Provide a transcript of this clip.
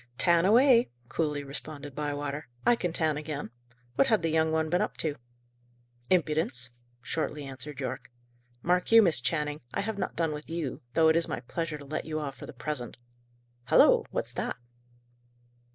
"Tan away," coolly responded Bywater. "I can tan again. What had the young one been up to?" "Impudence," shortly answered Yorke. "Mark you, Miss Channing! I have not done with you, though it is my pleasure to let you off for the present. Halloa! What's that?"